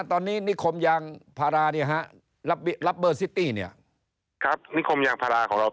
ตอนนี้นิคมยางพาราเนี่ยฮะรับเบอร์ซิตี้เนี่ยครับนิคมยางพาราของเรา